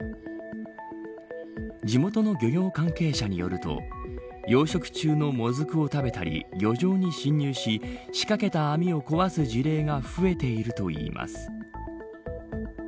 地元の漁業関係者によると養殖中のモズクを食べたり漁場に侵入し仕掛けた網を壊す事例が増えているといいます。